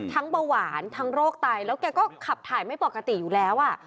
เบาหวานทั้งโรคไตแล้วแกก็ขับถ่ายไม่ปกติอยู่แล้วอ่ะ